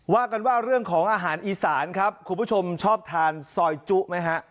ว่ากันว่าเรื่องของอาหารอีสานครับคุณผู้ชมชอบทานซอยจุไหมฮะ